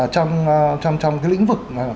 trong cái lĩnh vực